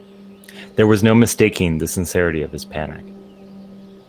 There was no mistaking the sincerity of his panic.